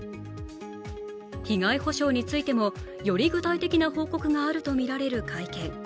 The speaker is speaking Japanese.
被害補償についても、より具体的な報告があるとみられる会見。